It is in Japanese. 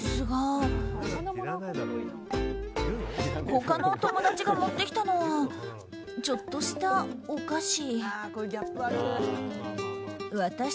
他の友達が持ってきたのはちょっとしたお菓子。